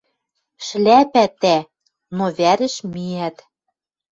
— Шляпӓ тӓ!.. — Но вӓрӹш миӓт.